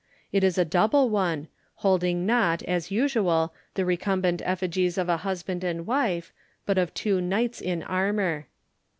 It is a double one, holding not, as usual, the recumbent effigies of a husband and wife, but of two knights in armour.